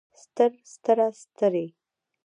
ستر ستره سترې